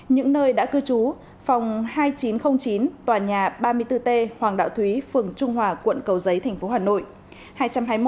những nơi đã cư trú phòng hai nghìn chín trăm linh chín tòa nhà ba mươi bốn t hoàng đạo thúy phường trung hòa quận cầu giấy tp hà nội